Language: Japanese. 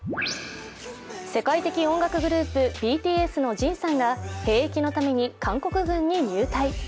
世界的音楽グループ、ＢＴＳのＪＩＮさんが兵役のために韓国軍に入隊。